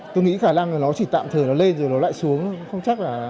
tôi nghĩ khả năng nó chỉ tạm thời nó lên rồi nó lại xuống